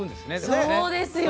そうですよね。